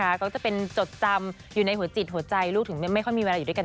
ก็จะเป็นจดจำอยู่ในหัวจิตหัวใจลูกถึงไม่ค่อยมีเวลาอยู่ด้วยกัน